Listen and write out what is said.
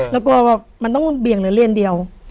แล้วก็มันต้องเบี่ยงเหลือเลียนเดียว